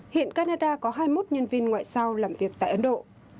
hiện canada có hai mươi một nhân viên ngoại giao làm việc tại ấn độ